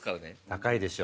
高いでしょ？